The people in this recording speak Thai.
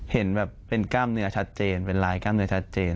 เห็นแบบเป็นกล้ามเนื้อชัดเจนเป็นลายกล้ามเนื้อชัดเจน